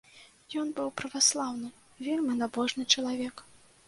Ён быў праваслаўны, вельмі набожны чалавек.